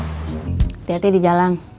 hati hati di jalan